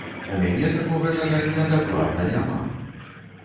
У мяне такога жадання дакладна няма!